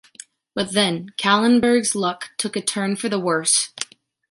But then Callenberg’s luck took a turn for the worse.